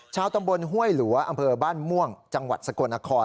ชาวตำบลห้วยหลัวอำเภอบ้านม่วงจังหวัดสกลนคร